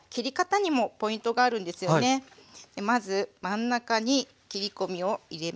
まず真ん中に切り込みを切りますね。